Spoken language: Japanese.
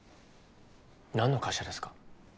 何の会社ですか？